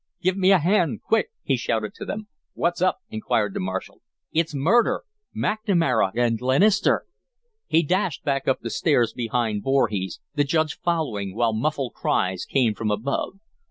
"Give me a hand quick!" he shouted to them. "What's up?" inquired the marshal. "It's murder! McNamara and Glenister!" He dashed back up the steps behind Voorhees, the Judge following, while muffled cries came from above.